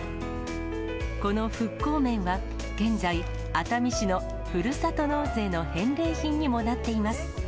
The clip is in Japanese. この復興麺は、現在、熱海市のふるさと納税の返礼品にもなっています。